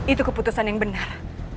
itu keputusan yang benar